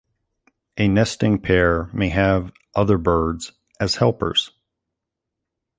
A nesting pair may have other birds as helpers.